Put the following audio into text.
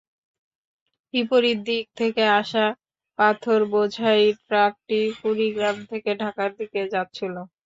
বিপরীত দিক থেকে আসা পাথরবোঝাই ট্রাকটি কুড়িগ্রাম থেকে ঢাকার দিকে যাচ্ছিল।